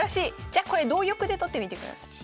じゃこれ同玉で取ってみてください。